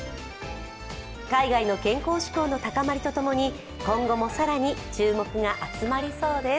海外の健康志向の高まりとともに今後も更に注目が集まりそうです。